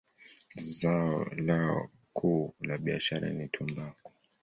Zao lao kuu la biashara ni tumbaku.